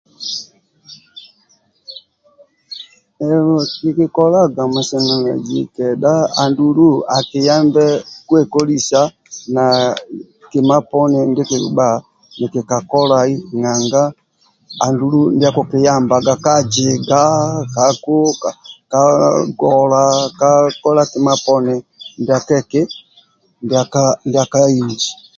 Kikolaga masanyalazi kedha andulu akiyambe kwekolisa na kima poni ndia kikibha nikikakolai nanga andulu ndia akikiyambaga ka jiga ka gola ka kola kima poni ndia keki ndia ka inji